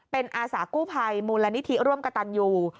เป็นอาสากู้ภัยมูลนิธิร่วมกระตันอยู่